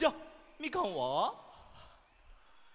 みかんは。